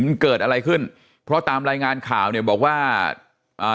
มันเกิดอะไรขึ้นเพราะตามรายงานข่าวเนี่ยบอกว่าอ่า